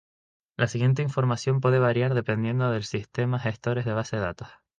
La siguiente información puede variar dependiendo del sistemas gestores de bases de datos.